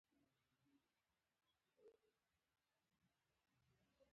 له ده سره به پښتنو عسکرو مرسته وکړي.